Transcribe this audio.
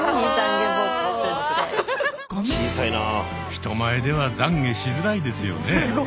人前では懺悔しづらいですよね。